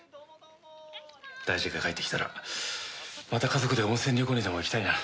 大二が帰ってきたらまた家族で温泉旅行にでも行きたいな。